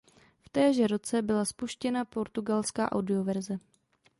V téže roce byla spuštěna portugalská audio verze.